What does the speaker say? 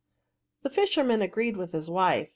The fisherman agreed with his wife.